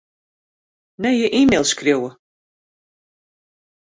Nije e-mail skriuwe.